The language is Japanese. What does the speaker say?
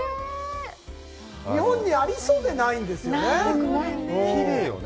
日本にありそうでないんですよね。